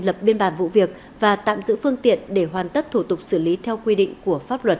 lập biên bản vụ việc và tạm giữ phương tiện để hoàn tất thủ tục xử lý theo quy định của pháp luật